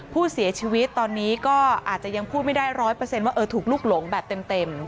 ผู้เสียชีวิตตอนนี้ก็อาจจะยังพูดไม่ได้๑๐๐ว่าถูกลุกหลงแบบเต็ม